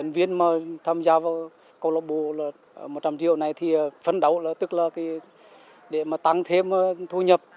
khi mà tham gia vào câu lạc bộ là một trăm linh triệu này thì phấn đấu là tức là để mà tăng thêm thu nhập